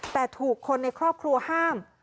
แต่ถูกคนในครอบครัวห้าม